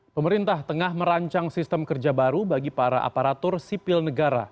pemerintah tengah merancang sistem kerja baru bagi para aparatur sipil negara